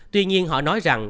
tuy nhiên họ nói rằng